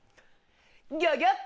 ギョギョっ！